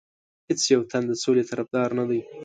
هیڅ یو تن د سولې طرفدار نه دی.